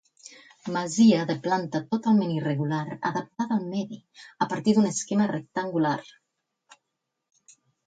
Masia de planta totalment irregular adaptada al medi, a partir d'un esquema rectangular.